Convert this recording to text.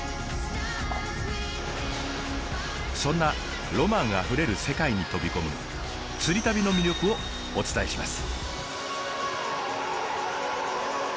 そんなロマンあふれる世界に飛び込む「釣り旅」の魅力をお伝えします。